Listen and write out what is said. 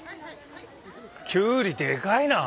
キュウリデカいな！